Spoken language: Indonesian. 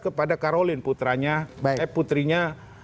kepada karolin putrinya